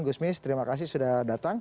gusmis terima kasih sudah datang